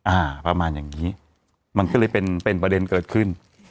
อ่าประมาณอย่างงี้มันก็เลยเป็นเป็นประเด็นเกิดขึ้น